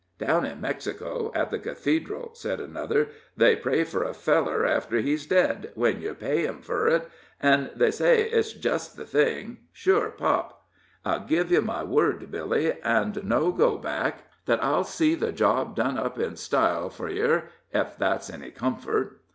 "Down in Mexico, at the cathedral," said another, "they pray for a feller after he's dead, when yer pay 'em fur it, an' they say it's jist the thing sure pop. I'll give yer my word, Billy, an' no go back, that I'll see the job done up in style fur yer, ef that's any comfort."